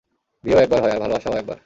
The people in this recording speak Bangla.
বিয়েও একবার হয় আর ভালোবাসা ও একবার।